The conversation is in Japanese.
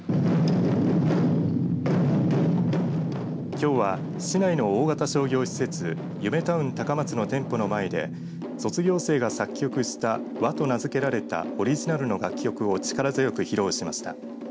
きょうは市内の大型商業施設ゆめタウン高松の店舗の前で卒業生が作曲した和と名付けられたオリジナルの楽曲を力強く披露しました。